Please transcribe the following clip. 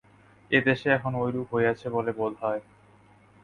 এদেশে এখন ঐরূপ হয়েছে বলে বোধ হয়।